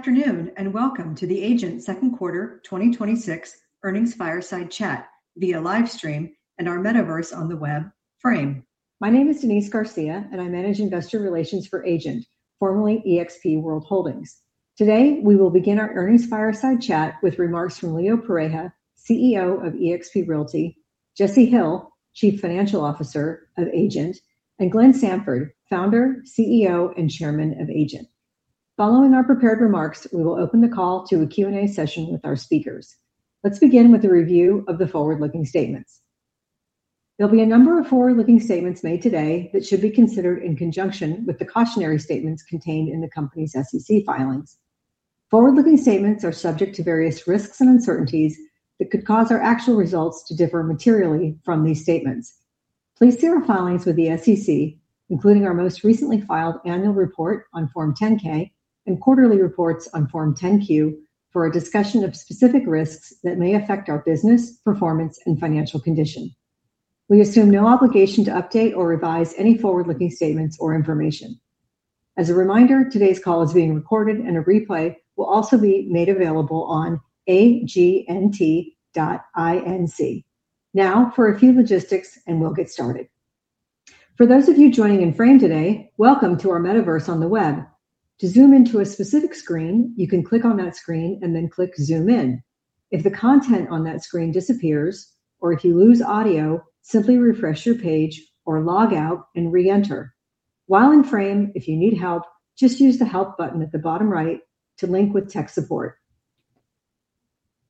Afternoon. Welcome to the AGNT second quarter 2026 earnings fireside chat via live stream and our metaverse on the web, Frame. My name is Denise Garcia, and I manage investor relations for AGNT, formerly eXp World Holdings. Today, we will begin our earnings fireside chat with remarks from Leo Pareja, CEO of eXp Realty, Jesse Hill, Chief Financial Officer of AGNT, and Glenn Sanford, Founder, CEO, and Chairman of AGNT. Following our prepared remarks, we will open the call to a Q&A session with our speakers. Let's begin with a review of the forward-looking statements. There'll be a number of forward-looking statements made today that should be considered in conjunction with the cautionary statements contained in the company's SEC filings. Forward-looking statements are subject to various risks and uncertainties that could cause our actual results to differ materially from these statements. Please see our filings with the SEC, including our most recently filed annual report on Form 10-K and quarterly reports on Form 10-Q, for a discussion of specific risks that may affect our business, performance, and financial condition. We assume no obligation to update or revise any forward-looking statements or information. As a reminder, today's call is being recorded and a replay will also be made available on agnt.inc. For a few logistics and we'll get started. While in Frame, if you need help, just use the Help button at the bottom right to link with tech support.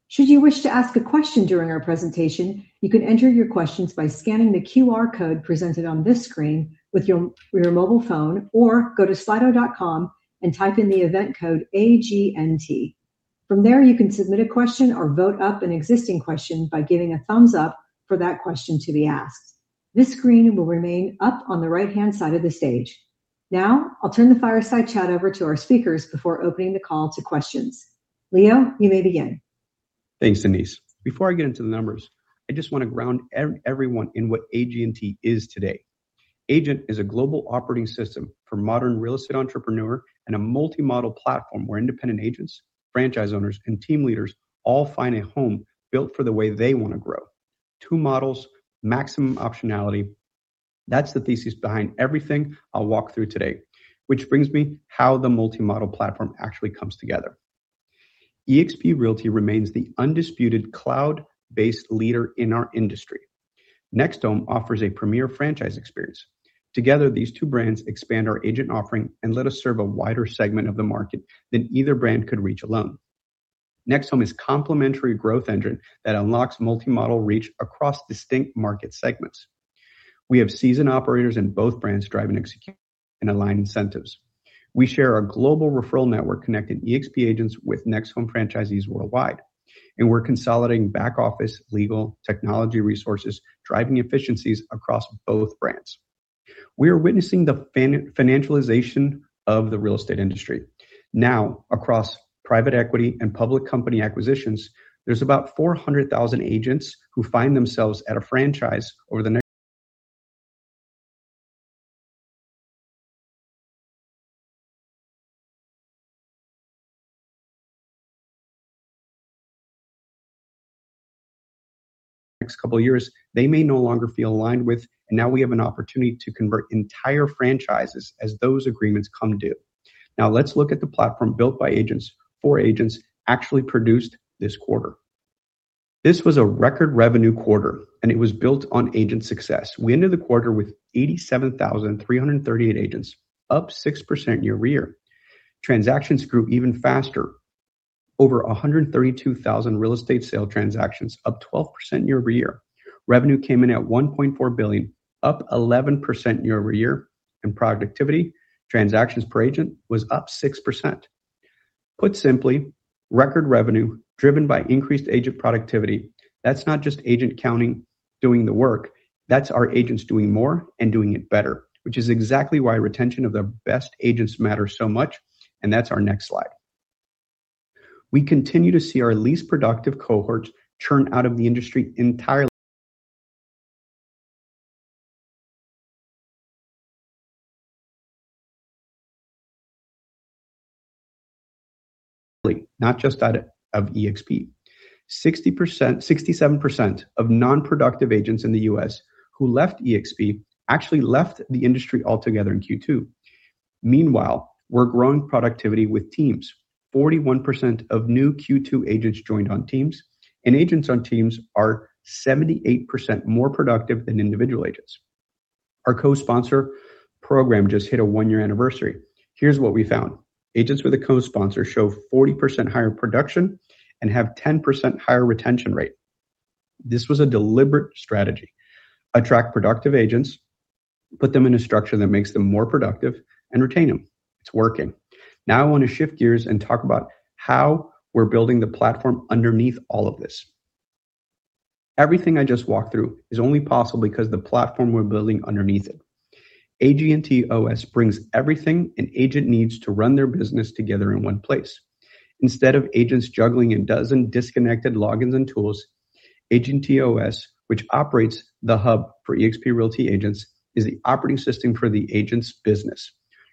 Should you wish to ask a question during our presentation, you can enter your questions by scanning the QR code presented on this screen with your mobile phone or go to slido.com and type in the event code AGNT. From there, you can submit a question or vote up an existing question by giving a thumbs-up for that question to be asked. This screen will remain up on the right-hand side of the stage. I'll turn the fireside chat over to our speakers before opening the call to questions. Leo, you may begin. Thanks, Denise. Before I get into the numbers, I just want to ground everyone in what AGNT is today. AGNT is a global operating system for modern real estate entrepreneur and a multi-model platform where independent agents, franchise owners, and team leaders all find a home built for the way they want to grow. Two models, maximum optionality. That's the thesis behind everything I'll walk through today. Which brings me how the multi-model platform actually comes together. eXp Realty remains the undisputed cloud-based leader in our industry. NextHome offers a premier franchise experience. Together, these two brands expand our agent offering and let us serve a wider segment of the market than either brand could reach alone. NextHome is a complementary growth engine that unlocks multi-model reach across distinct market segments. We have seasoned operators in both brands driving execution and aligned incentives. We share a global referral network connecting eXp agents with NextHome franchisees worldwide, and we're consolidating back office legal technology resources, driving efficiencies across both brands. We are witnessing the financialization of the real estate industry. Across private equity and public company acquisitions, there's about 400,000 agents who find themselves at a franchise over the next couple of years they may no longer feel aligned with, and now we have an opportunity to convert entire franchises as those agreements come due. Let's look at the platform built by agents for agents actually produced this quarter. This was a record revenue quarter, and it was built on agent success. We ended the quarter with 87,338 agents, up 6% year-over-year. Transactions grew even faster. Over 132,000 real estate sale transactions, up 12% year-over-year. Revenue came in at $1.4 billion, up 11% year-over-year. Productivity, transactions per agent was up 6%. Put simply, record revenue driven by increased agent productivity. That's not just agent counting doing the work. That's our agents doing more and doing it better, which is exactly why retention of the best agents matters so much, and that's our next slide. We continue to see our least productive cohorts churn out of the industry entirely, not just out of eXp. 67% of non-productive agents in the U.S. who left eXp actually left the industry altogether in Q2. Meanwhile, we're growing productivity with teams. 41% of new Q2 agents joined on teams, and agents on teams are 78% more productive than individual agents. Our co-sponsor program just hit a one-year anniversary. Here's what we found. Agents with a co-sponsor show 40% higher production and have 10% higher retention rate. This was a deliberate strategy. Attract productive agents, put them in a structure that makes them more productive, and retain them. It's working. I want to shift gears and talk about how we're building the platform underneath all of this. Everything I just walked through is only possible because the platform we're building underneath it. AGNT OS brings everything an agent needs to run their business together in one place. Instead of agents juggling a dozen disconnected logins and tools, AGNT OS, which operates the Hub for eXp Realty agents, is the operating system for the agent's business.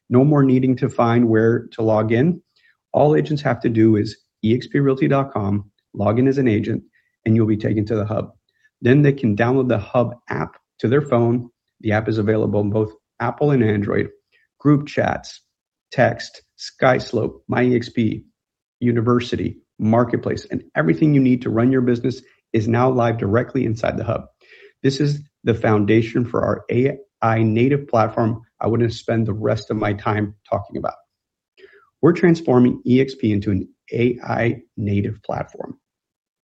No more needing to find where to log in. All agents have to do is exprealty.com, log in as an agent, and you'll be taken to the Hub. Then they can download the Hub app to their phone. The app is available on both Apple and Android. Group chats, text, SkySlope, My eXp University, Marketplace, and everything you need to run your business is now live directly inside the Hub. This is the foundation for our AI native platform I want to spend the rest of my time talking about. We're transforming eXp into an AI native platform.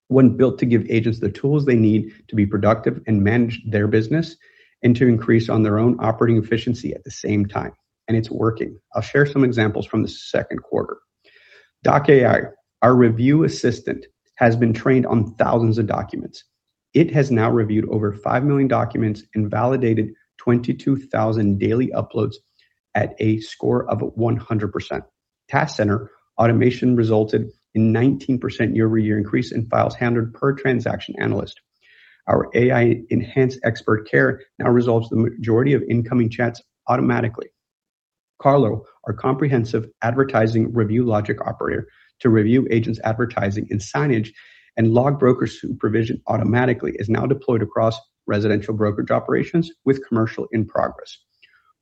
One built to give agents the tools they need to be productive and manage their business, and to increase on their own operating efficiency at the same time. And it's working. I'll share some examples from the second quarter. DocAI, our review assistant, has been trained on thousands of documents. It has now reviewed over 5 million documents and validated 22,000 daily uploads at a score of 100%. Task center automation resulted in 19% year-over-year increase in files handled per transaction analyst. Our AI enhanced expert care now resolves the majority of incoming chats automatically. CARLO, our comprehensive advertising review logic operator to review agents' advertising and signage and log broker supervision automatically, is now deployed across residential brokerage operations with commercial in progress.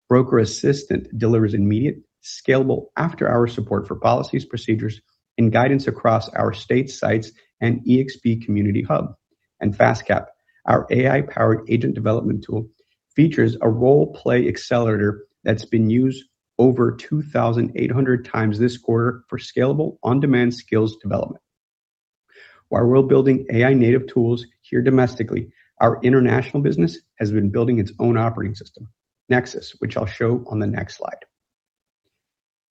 Broker Assistant delivers immediate, scalable after-hour support for policies, procedures, and guidance across our state sites and eXp Hub. FastCAP, our AI-powered agent development tool, features a role-play accelerator that's been used over 2,800x this quarter for scalable on-demand skills development. While we're building AI native tools here domestically, our international business has been building its own operating system, Nexus, which I'll show on the next slide.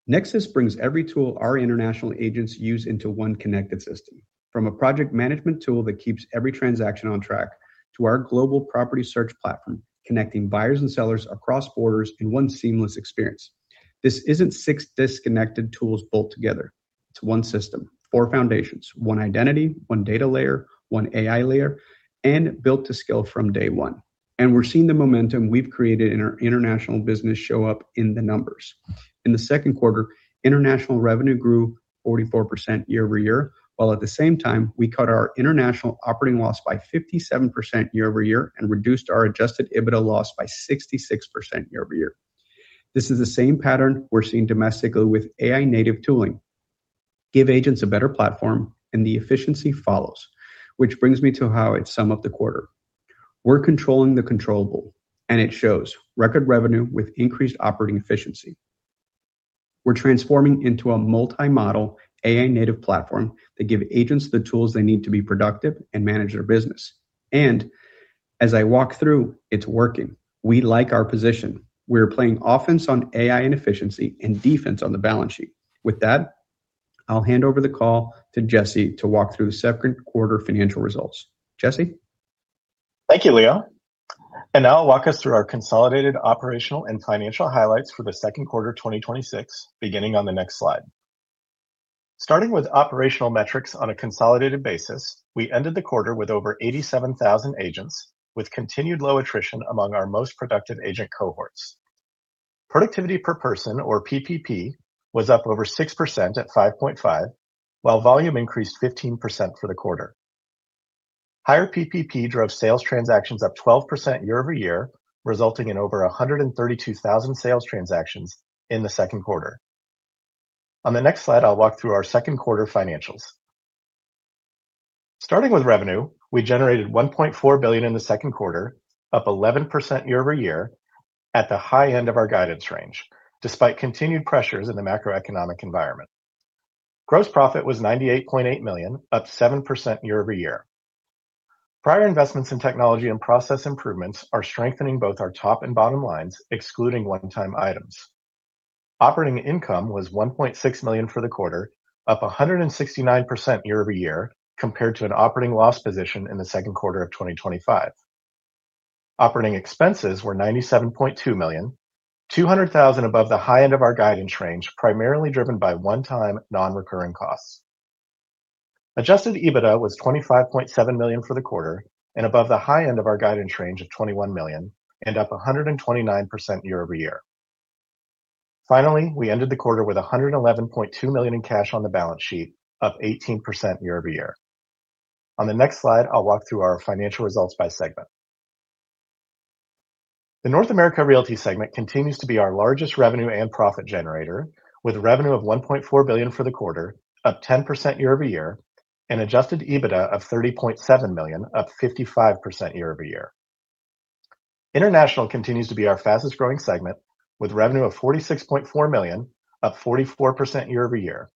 Nexus brings every tool our international agents use into one connected system, from a project management tool that keeps every transaction on track, to our global property search platform, connecting buyers and sellers across borders in one seamless experience. This isn't six disconnected tools bolt together. It's one system, four foundations, one identity, one data layer, one AI layer, and built to scale from day one. We're seeing the momentum we've created in our international business show up in the numbers. In the second quarter, international revenue grew 44% year-over-year, while at the same time, we cut our international operating loss by 57% year-over-year and reduced our Adjusted EBITDA loss by 66% year-over-year. This is the same pattern we're seeing domestically with AI native tooling. Give agents a better platform and the efficiency follows. Which brings me to how I'd sum up the quarter. We're controlling the controllable, and it shows. Record revenue with increased operating efficiency. We're transforming into a multi-model AI native platform that give agents the tools they need to be productive and manage their business. As I walk through, it's working. We like our position. We're playing offense on AI and efficiency, and defense on the balance sheet. With that, I'll hand over the call to Jesse to walk through the second quarter financial results. Jesse? Thank you, Leo. Now I'll walk us through our consolidated operational and financial highlights for the second quarter 2026, beginning on the next slide. Starting with operational metrics on a consolidated basis, we ended the quarter with over 87,000 agents, with continued low attrition among our most productive agent cohorts. Productivity per person, or PPP, was up over 6% at 5.5, while volume increased 15% for the quarter. Higher PPP drove sales transactions up 12% year-over-year, resulting in over 132,000 sales transactions in the second quarter. On the next slide, I'll walk through our second quarter financials. Starting with revenue, we generated $1.4 billion in the second quarter, up 11% year-over-year at the high end of our guidance range, despite continued pressures in the macroeconomic environment. Gross profit was $98.8 million, up 7% year-over-year. Prior investments in technology and process improvements are strengthening both our top and bottom lines, excluding one-time items. Operating income was $1.6 million for the quarter, up 169% year-over-year compared to an operating loss position in the second quarter of 2025. Operating expenses were $97.2 million, $200,000 above the high end of our guidance range, primarily driven by one-time non-recurring costs. Adjusted EBITDA was $25.7 million for the quarter and above the high end of our guidance range of $21 million and up 129% year-over-year. Finally, we ended the quarter with $111.2 million in cash on the balance sheet, up 18% year-over-year. On the next slide, I'll walk through our financial results by segment. The North American Realty segment continues to be our largest revenue and profit generator, with revenue of $1.4 billion for the quarter, up 10% year-over-year, and Adjusted EBITDA of $30.7 million, up 55% year-over-year. International continues to be our fastest growing segment, with revenue of $46.4 million, up 44% year-over-year.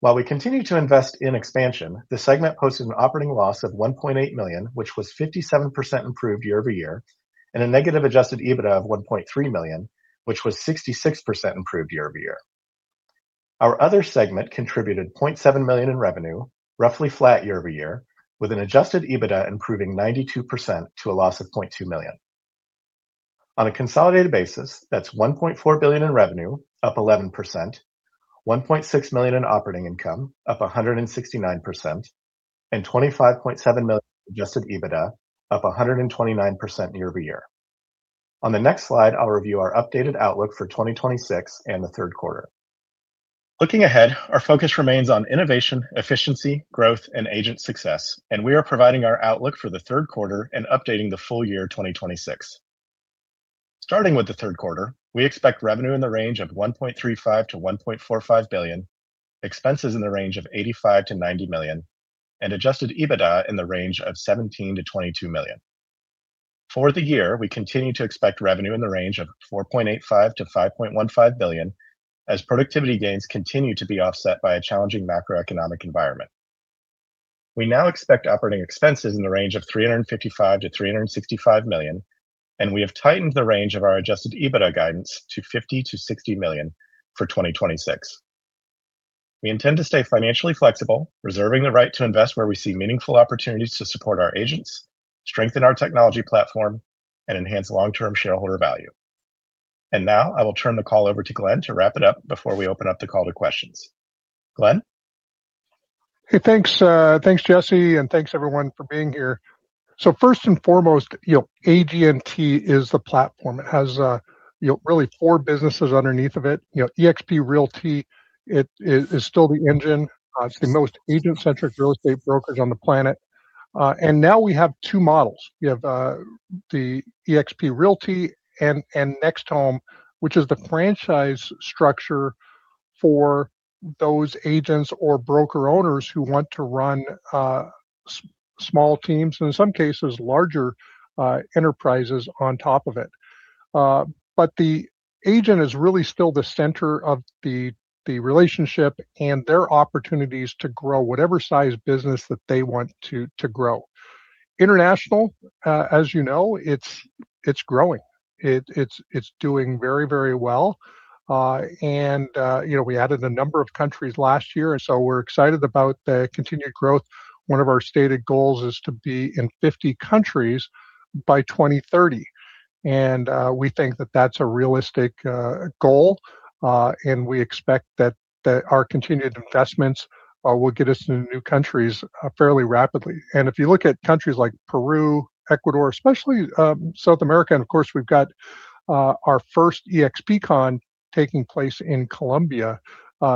While we continue to invest in expansion, the segment posted an operating loss of $1.8 million, which was 57% improved year-over-year, and a negative Adjusted EBITDA of $1.3 million, which was 66% improved year-over-year. Our other segment contributed $0.7 million in revenue, roughly flat year-over-year, with an Adjusted EBITDA improving 92% to a loss of $0.2 million. On a consolidated basis, that's $1.4 billion in revenue, up 11%, $1.6 million in operating income, up 169%, and $25.7 million Adjusted EBITDA, up 129% year-over-year. On the next slide, I'll review our updated outlook for 2026 and the third quarter. Looking ahead, our focus remains on innovation, efficiency, growth and agent success. We are providing our outlook for the third quarter and updating the full year 2026. Starting with the third quarter, we expect revenue in the range of $1.35 billion-$1.45 billion, expenses in the range of $85 million-$90 million, and Adjusted EBITDA in the range of $17 million-$22 million. For the year, we continue to expect revenue in the range of $4.85 billion-$5.15 billion, as productivity gains continue to be offset by a challenging macroeconomic environment. We now expect operating expenses in the range of $355 million-$365 million, and we have tightened the range of our Adjusted EBITDA guidance to $50 million-$60 million for 2026. We intend to stay financially flexible, reserving the right to invest where we see meaningful opportunities to support our agents, strengthen our technology platform and enhance long-term shareholder value. Now I will turn the call over to Glenn to wrap it up before we open up the call to questions. Glenn. Hey, thanks Jesse, and thanks everyone for being here. First and foremost, AGNT is the platform. It has really four businesses underneath of it. eXp Realty is still the engine. It's the most agent-centric real estate brokerage on the planet. Now we have two models. We have the eXp Realty and NextHome, which is the franchise structure for those agents or broker-owners who want to run small teams and in some cases, larger enterprises on top of it. But the agent is really still the center of the relationship and their opportunities to grow whatever size business that they want to grow. International, as you know, it's growing. It's doing very well. We added a number of countries last year, we're excited about the continued growth. One of our stated goals is to be in 50 countries by 2030. We think that that's a realistic goal. We expect that our continued investments will get us into new countries fairly rapidly. If you look at countries like Peru, Ecuador, especially South America, of course we've got our first eXp Con taking place in Colombia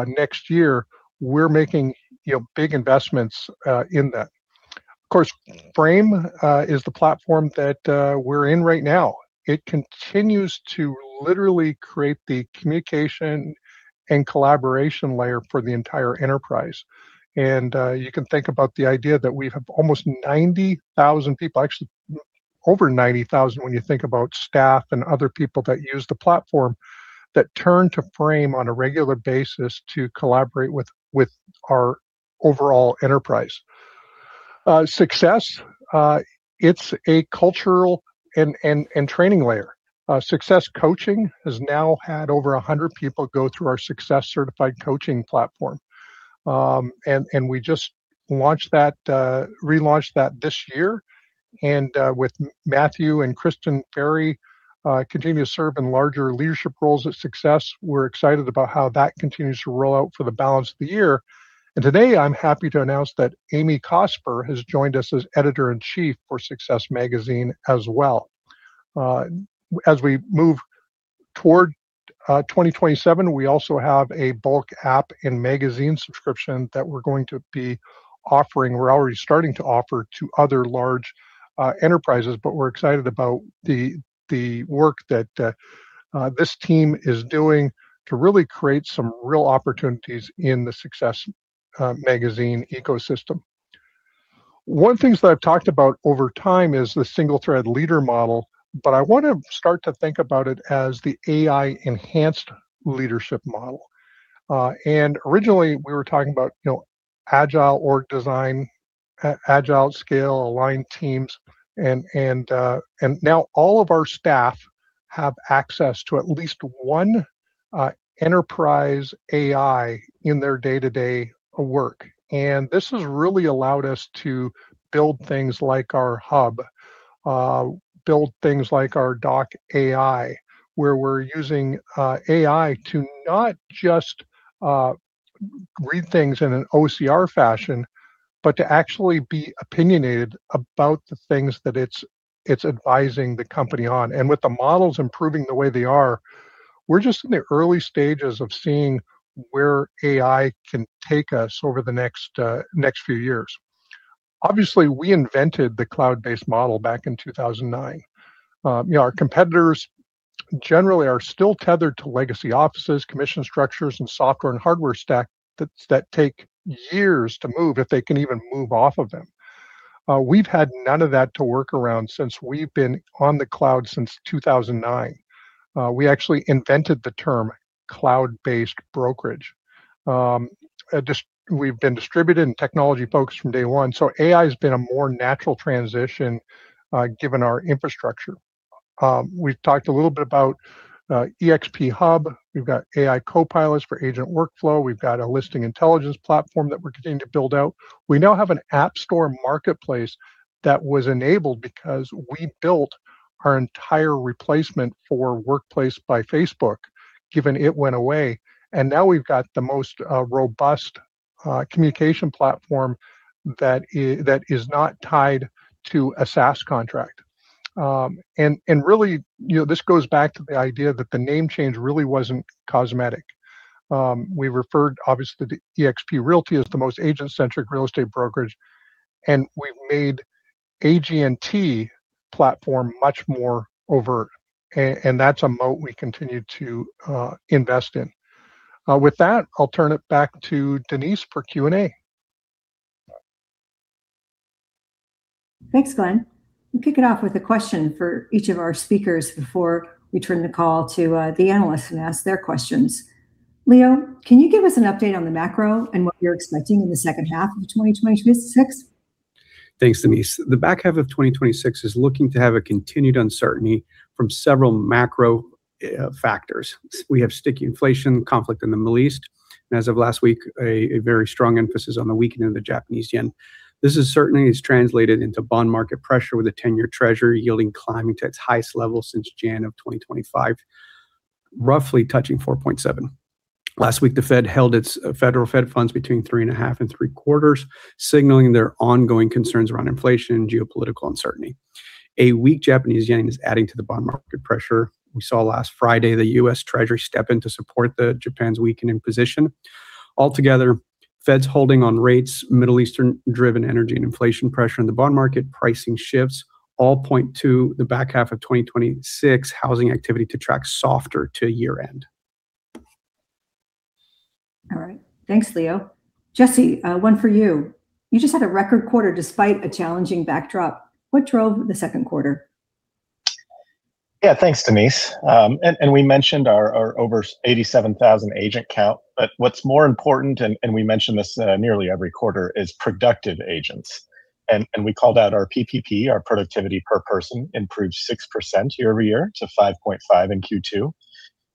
next year. We're making big investments in that. Of course, Frame is the platform that we're in right now. It continues to literally create the communication and collaboration layer for the entire enterprise. You can think about the idea that we have almost 90,000 people, actually over 90,000 when you think about staff and other people that use the platform, that turn to Frame on a regular basis to collaborate with our overall enterprise. Success, it's a cultural and training layer. SUCCESS Coaching has now had over 100 people go through our Success certified coaching platform. We just relaunched that this year. With Matthew and Kristen very continuous serve in larger leadership roles at Success, we're excited about how that continues to roll out for the balance of the year. Today, I'm happy to announce that Amy Cosper has joined us as editor in chief for SUCCESS Magazine as well. As we move toward 2027, we also have a bulk app and magazine subscription that we're going to be offering. We're already starting to offer to other large enterprises, but we're excited about the work that this team is doing to really create some real opportunities in the SUCCESS Magazine ecosystem. One thing that I've talked about over time is the single thread leader model, but I want to start to think about it as the AI enhanced leadership model. Originally we were talking about agile org design, agile scale, aligned teams, now all of our staff have access to at least one enterprise AI in their day-to-day work. This has really allowed us to build things like our Hub, build things like our DocAI, where we're using AI to not just read things in an OCR fashion, but to actually be opinionated about the things that it's advising the company on. With the models improving the way they are, we're just in the early stages of seeing where AI can take us over the next few years. Obviously, we invented the cloud-based model back in 2009. Our competitors generally are still tethered to legacy offices, commission structures, and software and hardware stack that take years to move, if they can even move off of them. We've had none of that to work around since we've been on the cloud since 2009. We actually invented the term cloud-based brokerage. We've been distributed and technology focused from day one, so AI's been a more natural transition given our infrastructure. We've talked a little bit about eXp Hub. We've got AI co-pilots for agent workflow. We've got a listing intelligence platform that we're continuing to build out. We now have an app store marketplace that was enabled because we built our entire replacement for Workplace by Facebook, given it went away. Now we've got the most robust communication platform that is not tied to a SaaS contract. Really, this goes back to the idea that the name change really wasn't cosmetic. We referred, obviously, to eXp Realty as the most agent-centric real estate brokerage. We've made AGNT platform much more overt, and that's a moat we continue to invest in. With that, I'll turn it back to Denise for Q&A. Thanks, Glenn. We pick it off with a question for each of our speakers before we turn the call to the analysts and ask their questions. Leo, can you give us an update on the macro and what you're expecting in the second half of 2026? Thanks, Denise. The back half of 2026 is looking to have continued uncertainty from several macro factors. We have sticky inflation, conflict in the Middle East, and as of last week, a very strong emphasis on the weakening of the Japanese yen. This certainly is translated into bond market pressure with a 10-year Treasury yielding climbing to its highest level since January of 2025, roughly touching 4.7%. Last week, the Fed held its federal funds between three and a half and three quarters, signaling their ongoing concerns around inflation, geopolitical uncertainty. A weak Japanese yen is adding to the bond market pressure. We saw last Friday the U.S. Treasury step in to support Japan's weakening position. Altogether, Fed's holding on rates, Middle Eastern driven energy and inflation pressure in the bond market, pricing shifts, all point to the back half of 2026 housing activity to track softer to year end. All right. Thanks, Leo. Jesse, one for you. You just had a record quarter despite a challenging backdrop. What drove the second quarter? Yeah, thanks, Denise. We mentioned our over 87,000 agent count. What's more important, we mention this nearly every quarter, is productive agents. We call that our PPP, our productivity per person, improved 6% year-over-year to 5.5 in Q2.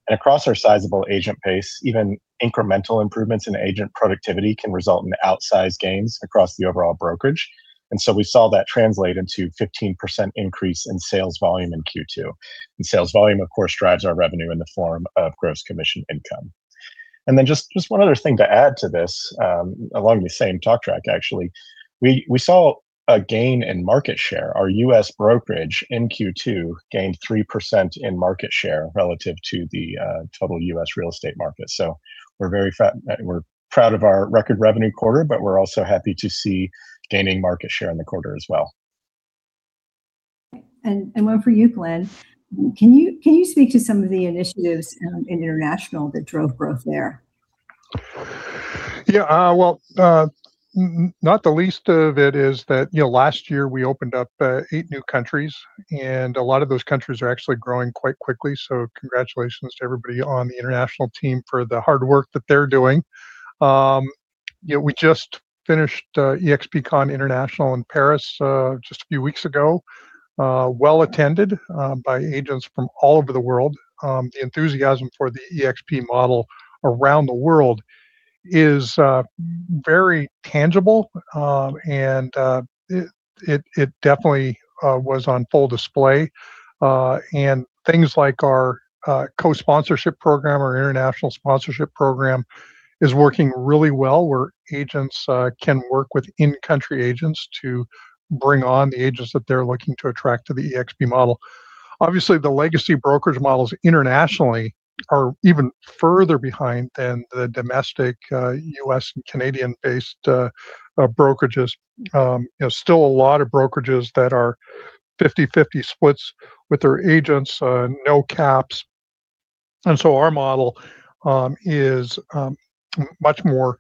Across our sizable agent base, even incremental improvements in agent productivity can result in outsized gains across the overall brokerage. We saw that translate into 15% increase in sales volume in Q2. Sales volume, of course, drives our revenue in the form of Gross Commission Income. Just one other thing to add to this, along the same talk track, actually. We saw a gain in market share. Our U.S. brokerage in Q2 gained 3% in market share relative to the total U.S. real estate market. We're proud of our record revenue quarter, we're also happy to see gaining market share in the quarter as well. One for you, Glenn. Can you speak to some of the initiatives in international that drove growth there? Well, not the least of it is that last year we opened up eight new countries, a lot of those countries are actually growing quite quickly. Congratulations to everybody on the international team for the hard work that they're doing. We just finished eXp Con International in Paris just a few weeks ago. Well attended by agents from all over the world. The enthusiasm for the eXp model around the world is very tangible, and it definitely was on full display. Things like our co-sponsorship program or international sponsorship program is working really well, where agents can work with in-country agents to bring on the agents that they're looking to attract to the eXp model. Obviously, the legacy brokerage models internationally are even further behind than the domestic U.S. and Canadian-based brokerages. Still a lot of brokerages that are 50/50 splits with their agents, no caps. Our model is much more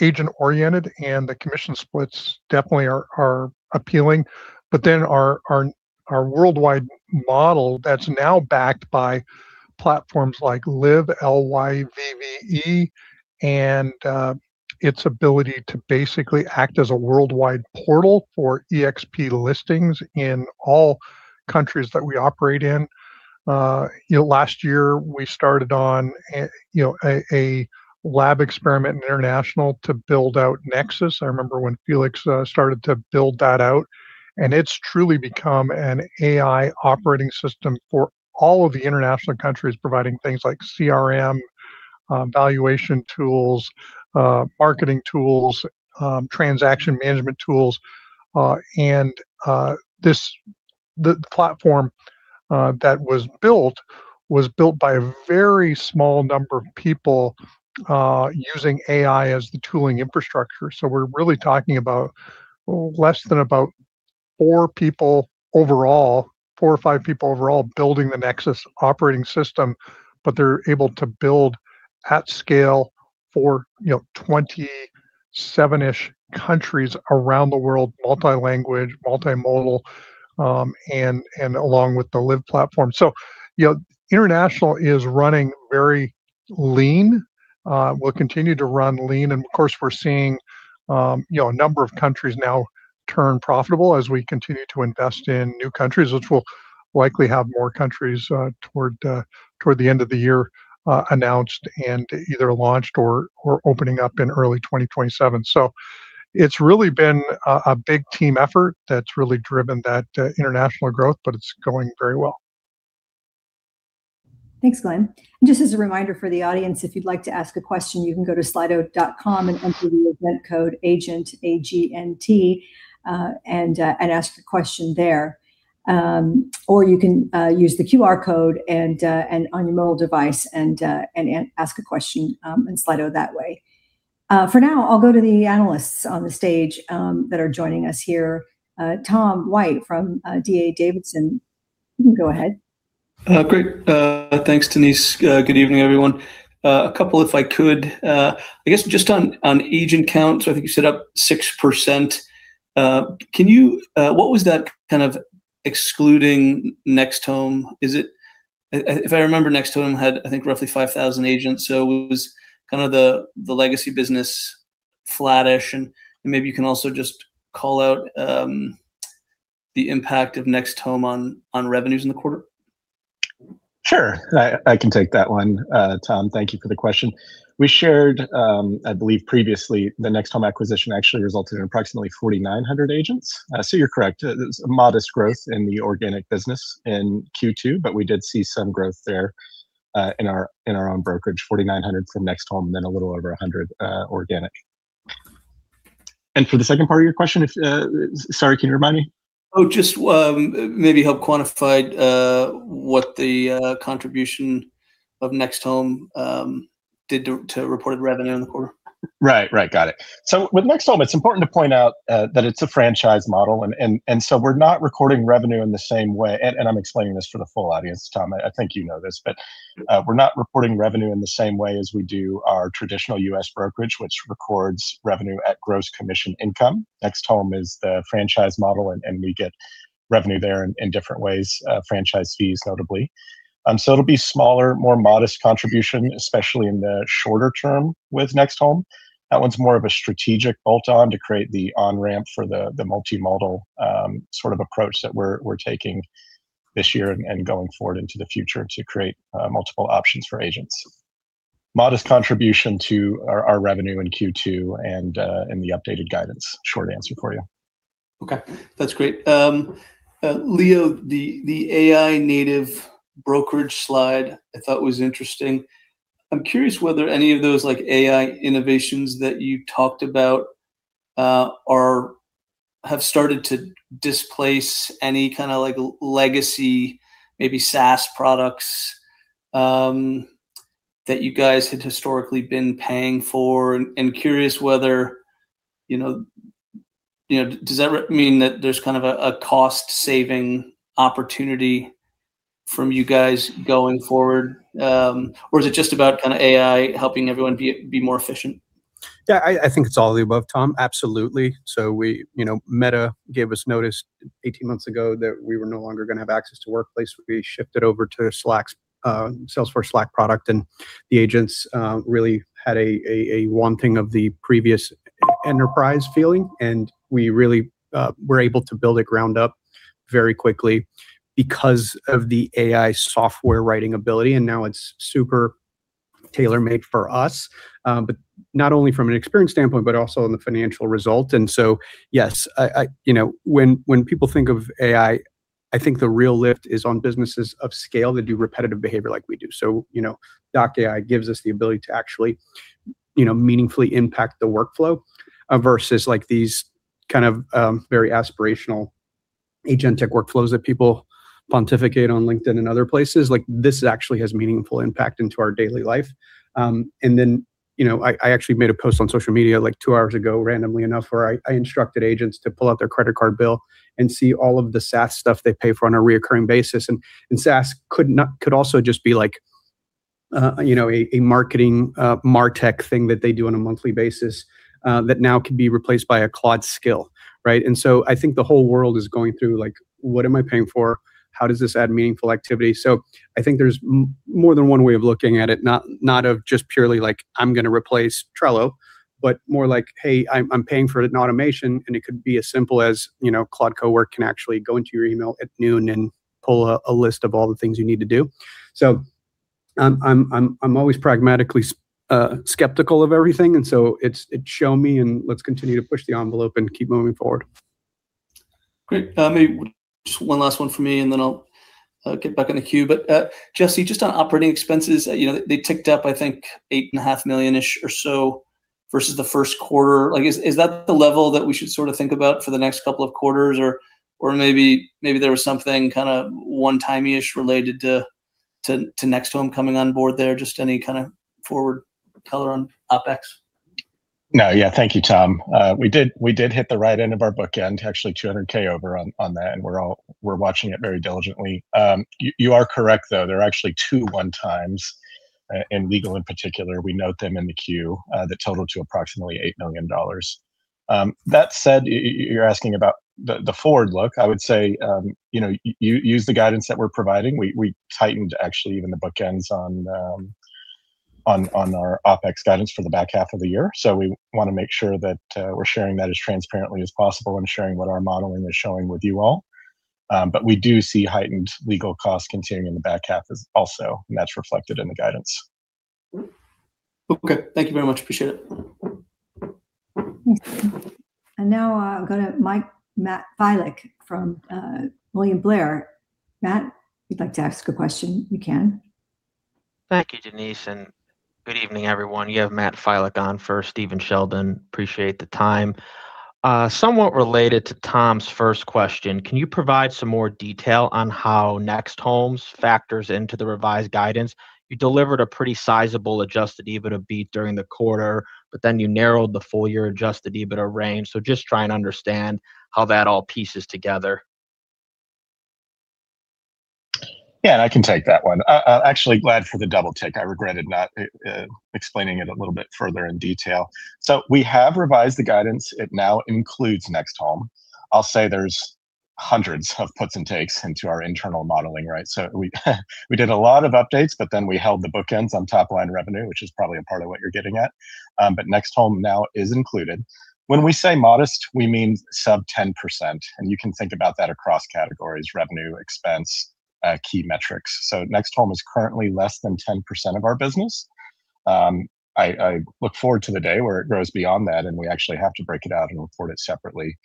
agent-oriented, and the commission splits definitely are appealing. Our worldwide model that's now backed by platforms like LYVVE, and its ability to basically act as a worldwide portal for eXp listings in all countries that we operate in. Last year, we started on a lab experiment in international to build out Nexus. I remember when Felix started to build that out, and it's truly become an AI operating system for all of the international countries, providing things like CRM, valuation tools, marketing tools, transaction management tools. The platform that was built was built by a very small number of people using AI as the tooling infrastructure. We're really talking about less than about four people overall, four or five people overall, building the Nexus operating system. They're able to build at scale for 27-ish countries around the world, multi-language, multimodal, along with the LYVVE platform. International is running very lean. We'll continue to run lean. Of course, we're seeing a number of countries now turn profitable as we continue to invest in new countries, which we'll likely have more countries toward the end of the year announced and either launched or opening up in early 2027. It's really been a big team effort that's really driven that international growth, but it's going very well. Thanks, Glenn. Just as a reminder for the audience, if you'd like to ask a question, you can go to slido.com and enter the event code AGNT, A-G-N-T, and ask a question there. Or you can use the QR code on your mobile device and ask a question in Slido that way. For now, I'll go to the analysts on the stage that are joining us here. Tom White from D.A. Davidson, you can go ahead. Great. Thanks, Denise. Good evening, everyone. A couple, if I could. I guess just on agent count, I think you said up 6%. What was that kind of excluding NextHome? If I remember, NextHome had, I think, roughly 5,000 agents, it was kind of the legacy business, flattish, and maybe you can also just call out the impact of NextHome on revenues in the quarter. Sure. I can take that one, Tom. Thank you for the question. We shared, I believe previously, the NextHome acquisition actually resulted in approximately 4,900 agents. You're correct. It's a modest growth in the organic business in Q2, but we did see some growth there, in our own brokerage, 4,900 from NextHome, then a little over 100 organic. For the second part of your question, sorry, can you remind me? Oh, just maybe help quantify what the contribution of NextHome did to reported revenue in the quarter. Right. Got it. With NextHome, it's important to point out that it's a franchise model, we're not recording revenue in the same way. I'm explaining this for the full audience, Tom, I think you know this. We're not reporting revenue in the same way as we do our traditional U.S. brokerage, which records revenue at Gross Commission Income. NextHome is the franchise model, and we get revenue there in different ways, franchise fees notably. It'll be smaller, more modest contribution, especially in the shorter term with NextHome. That one's more of a strategic bolt-on to create the on-ramp for the multimodal sort of approach that we're taking this year and going forward into the future to create multiple options for agents. Modest contribution to our revenue in Q2 and in the updated guidance. Short answer for you. Okay. That's great. Leo, the AI native brokerage slide I thought was interesting. I'm curious whether any of those AI innovations that you talked about have started to displace any kind of legacy, maybe SaaS products, that you guys had historically been paying for, and curious whether does that mean that there's kind of a cost-saving opportunity from you guys going forward? Or is it just about AI helping everyone be more efficient? Yeah, I think it's all the above, Tom, absolutely. Meta gave us notice 18 months ago that we were no longer going to have access to Workplace. We shifted over to Salesforce Slack product, the agents really had a wanting of the previous enterprise feeling, we really were able to build it ground up very quickly because of the AI software writing ability, now it's super tailor-made for us. Not only from an experience standpoint, but also on the financial result. Yes, when people think of AI, I think the real lift is on businesses of scale that do repetitive behavior like we do. DocAI gives us the ability to actually meaningfully impact the workflow, versus these kind of very aspirational agent tech workflows that people pontificate on LinkedIn and other places. This actually has meaningful impact into our daily life. I actually made a post on social media two hours ago, randomly enough, where I instructed agents to pull out their credit card bill and see all of the SaaS stuff they pay for on a recurring basis. SaaS could also just be a marketing MarTech thing that they do on a monthly basis, that now could be replaced by a Claude skill. Right? I think the whole world is going through, "What am I paying for? How does this add meaningful activity?" I think there's more than one way of looking at it, not of just purely, "I'm going to replace Trello," but more like, "Hey, I'm paying for it in automation," and it could be as simple as Claude Cowork can actually go into your email at noon and pull a list of all the things you need to do. I'm always pragmatically skeptical of everything, it's show me and let's continue to push the envelope and keep moving forward. Great. Maybe just one last one from me, then I'll get back in the queue. Jesse, just on operating expenses, they ticked up, I think, $8.5 million-ish or so versus the first quarter. Is that the level that we should sort of think about for the next couple of quarters, or maybe there was something kind of one-time-ish related to NextHome coming on board there? Just any kind of forward color on OpEx? Thank you, Tom. We did hit the right end of our bookend, actually $200K over on that, we're watching it very diligently. You are correct, though. There are actually two one-times, in legal in particular. We note them in the Q, that total to approximately $8 million. You're asking about the forward look. I would say, use the guidance that we're providing. We tightened actually even the bookends on our OpEx guidance for the back half of the year. We want to make sure that we're sharing that as transparently as possible and sharing what our modeling is showing with you all. We do see heightened legal costs continuing in the back half also, and that's reflected in the guidance. Thank you very much. Appreciate it. Now I'll go to Matt Filek from William Blair. Matt, if you'd like to ask a question, you can. Thank you, Denise, and good evening, everyone. You have Matt Filek on for Steven Sheldon. Appreciate the time. Somewhat related to Tom's first question, can you provide some more detail on how Next Home factors into the revised guidance? You delivered a pretty sizable Adjusted EBITDA beat during the quarter, you narrowed the full-year Adjusted EBITDA range. Just trying to understand how that all pieces together. I can take that one. Actually glad for the double-take. I regretted not explaining it a little bit further in detail. We have revised the guidance. It now includes Next Home. I'll say there's hundreds of puts and takes into our internal modeling, right? We did a lot of updates, we held the bookends on top line revenue, which is probably a part of what you're getting at. Next Home now is included. When we say modest, we mean sub 10%, and you can think about that across categories, revenue, expense, key metrics. Next Home is currently less than 10% of our business. I look forward to the day where it grows beyond that and we actually have to break it out and report it separately.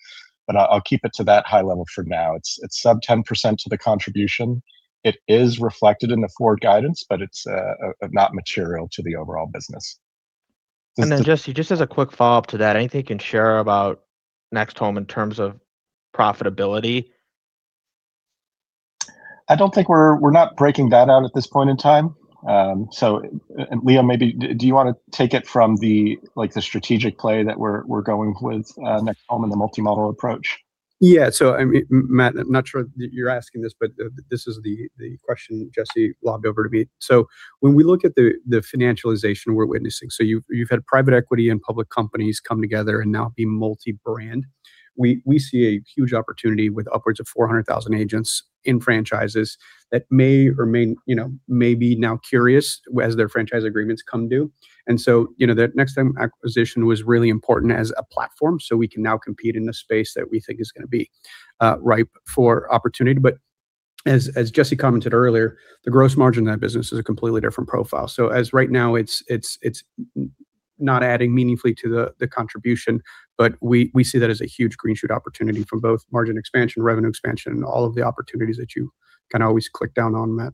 I'll keep it to that high level for now. It's sub 10% to the contribution. It is reflected in the forward guidance, but it's not material to the overall business. Jesse, just as a quick follow-up to that, anything you can share about NextHome in terms of profitability? We're not breaking that out at this point in time. Leo, maybe do you want to take it from the strategic play that we're going with NextHome and the multimodal approach? Matt, I'm not sure that you're asking this, but this is the question Jesse lobbed over to me. When we look at the financialization we're witnessing, you've had private equity and public companies come together and now be multi-brand. We see a huge opportunity with upwards of 400,000 agents in franchises that may be now curious as their franchise agreements come due. That NextHome acquisition was really important as a platform so we can now compete in the space that we think is going to be ripe for opportunity. As Jesse commented earlier, the gross margin in that business is a completely different profile. As right now, it's not adding meaningfully to the contribution, but we see that as a huge green shoot opportunity for both margin expansion, revenue expansion, and all of the opportunities that you can always click down on, Matt.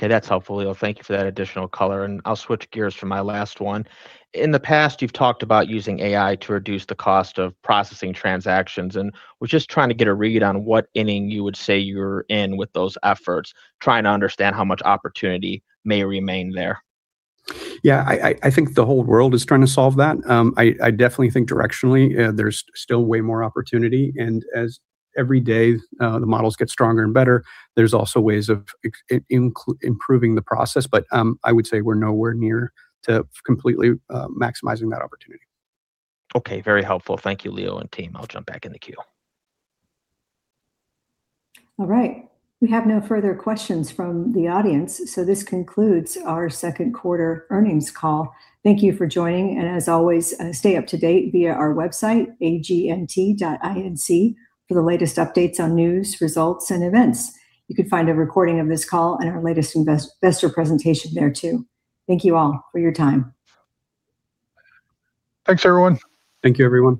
That's helpful, Leo. Thank you for that additional color. I'll switch gears for my last one. In the past, you've talked about using AI to reduce the cost of processing transactions. Was just trying to get a read on what inning you would say you're in with those efforts, trying to understand how much opportunity may remain there. Yeah, I think the whole world is trying to solve that. I definitely think directionally, there's still way more opportunity. As every day the models get stronger and better, there's also ways of improving the process. I would say we're nowhere near to completely maximizing that opportunity. Okay. Very helpful. Thank you, Leo and team. I'll jump back in the queue. All right. We have no further questions from the audience. This concludes our second quarter earnings call. Thank you for joining. As always, stay up to date via our website, agnt.inc, for the latest updates on news, results, and events. You can find a recording of this call and our latest investor presentation there, too. Thank you all for your time. Thanks, everyone. Thank you, everyone.